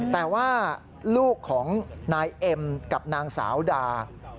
แต่ว่าลูกของนายเอ็มกับนางสาวดา